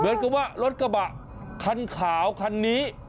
เหมือนกับว่ารถกระบะคันขาวคันนี้